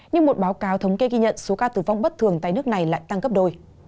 nhưng một báo cáo thống kê ghi nhận số ca tử vong bất thường tại nước này lại tăng gấp đôi